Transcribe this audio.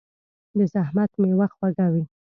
د زحمت میوه خوږه وي.